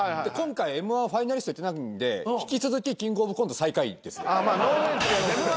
で今回Ｍ−１ファイナリストいってないんで引き続きキングオブコント最下位です。